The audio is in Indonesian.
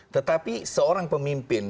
tetapi seorang pemimpin